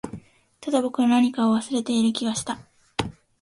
ただ、僕は何かを忘れている気がした